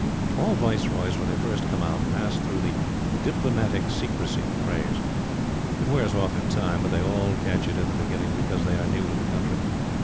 All Viceroys, when they first come out, pass through the "Diplomatic Secrecy" craze. It wears off in time; but they all catch it in the beginning, because they are new to the country.